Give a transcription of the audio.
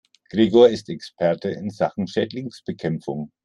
Gregor ist Experte in Sachen Schädlingsbekämpfung.